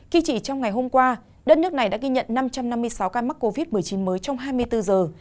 khi chỉ trong ngày hôm qua đất nước này đã ghi nhận năm trăm năm mươi sáu ca mắc covid một mươi chín mới trong hai mươi bốn giờ